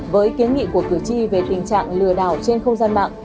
với kiến nghị của cử tri về tình trạng lừa đảo trên không gian mạng